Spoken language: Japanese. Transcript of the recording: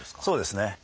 そうですね。